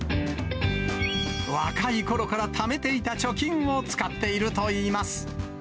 若いころからためていた貯金を使っているといいます。